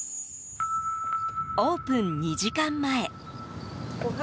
オープン２時間前。